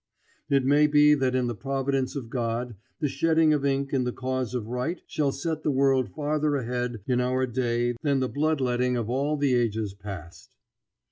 It may be that in the providence of God the shedding of ink in the cause of right shall set the world farther ahead in our day than the blood letting of all the ages past.